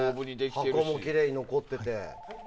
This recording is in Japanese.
箱もきれいに残ってて。